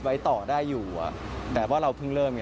ไว้ต่อได้อยู่แต่ว่าเราเพิ่งเริ่มไง